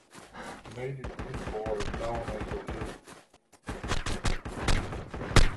The native people are known as the Aleut.